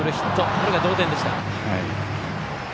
これが同点でした。